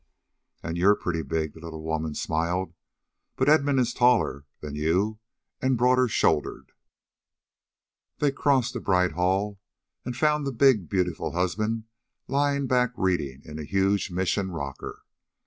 "And you're pretty big," the little woman smiled; "but Edmund is taller than you, and broader shouldered." They crossed a bright hall, and found the big beautiful husband lying back reading in a huge Mission rocker.